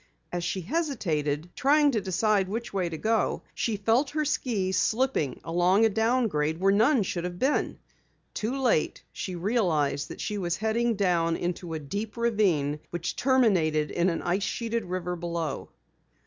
As she hesitated, trying to decide which way to go, she felt her skis slipping along a downgrade where none should have been. Too late, she realized that she was heading down into a deep ravine which terminated in an ice sheeted river below.